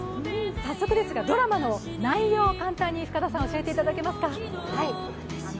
早速ですが、ドラマの内容を簡単に教えていただけますか。